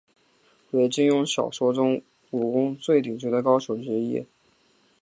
为金庸小说中武功最绝顶的高手之一。